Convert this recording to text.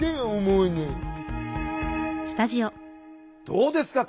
どうですか？